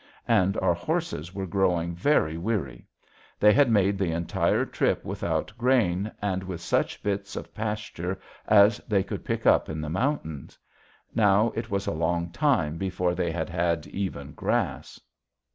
And our horses were growing very weary. They had made the entire trip without grain and with such bits of pasture as they could pick up in the mountains. Now it was a long time since they had had even grass.